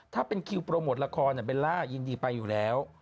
ถ้าเป็นคิวโปรโมทละครเบลล่ายินดีไปอยู่แล้ว